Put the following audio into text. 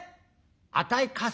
あたい鎹？